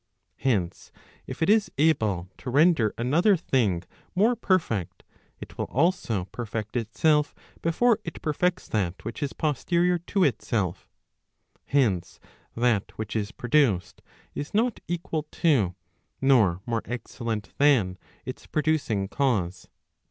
Hence, if it is able to render another thing more perfect, jt will also perfect itself before it perfects that which is posterior to itself. Hence, that which is produced, is not equal to, nor more excel¬ lent than, its producing cause.